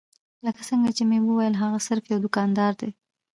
لکه څنګه چې مې وويل هغه صرف يو دوکاندار دی.